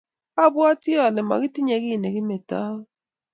abwatii ale makitinye kiy nekimetoo.